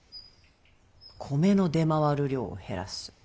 米の出回る量を減らす。